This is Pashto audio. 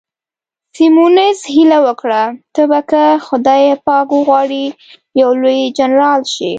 سیمونز هیله وکړه، ته به که خدای پاک وغواړي یو لوی جنرال شې.